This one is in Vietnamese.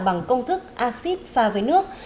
bằng công thức acid pha với nước